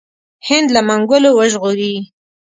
هند له منګولو وژغوري.